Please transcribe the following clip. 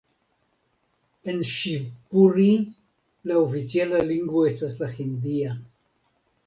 En Ŝivpuri la oficiala lingvo estas la hindia.